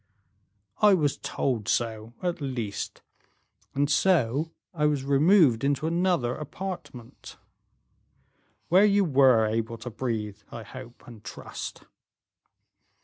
"I was told so, at least; and so I was removed into another apartment." "Where you were able to breathe, I hope and trust?"